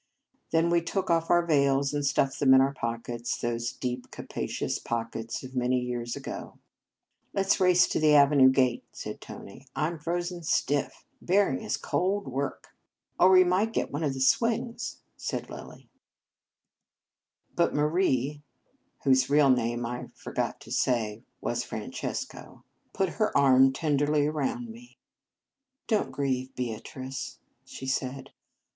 Then we took off our veils, and stuffed them in our pockets, those deep, capacious pockets of many years ago. " Let s race to the avenue gate," said Tony. " I m frozen stiff. Bury ing is cold work." " Or we might get one of the swings," said Lilly. 181 In Our Convent Days But Marie whose real name, I forgot to say, was Francesco put her arm tenderly around me. " Don t grieve, Beatrice," she said.